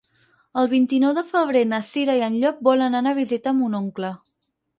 El vint-i-nou de febrer na Cira i en Llop volen anar a visitar mon oncle.